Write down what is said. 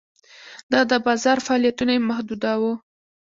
دا د بازار فعالیتونه یې محدوداوه.